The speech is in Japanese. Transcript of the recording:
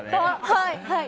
はい！